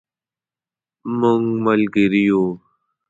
مونږ ملګري یو